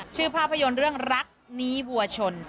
ภาพยนตร์เรื่องรักนี้วัวชน